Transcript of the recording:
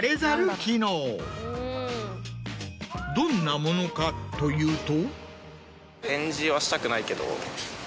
どんなものかというと。